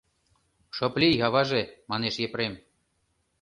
— Шып лий, аваже, — манеш Епрем.